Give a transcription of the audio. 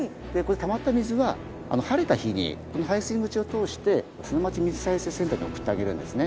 たまった水は晴れた日に排水口を通して砂町水再生センターに送ってあげるんですね。